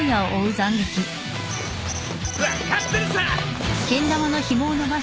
分かってるさ！